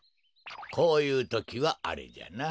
こういうときはあれじゃな。